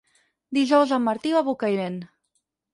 Dijous en Martí va a Bocairent.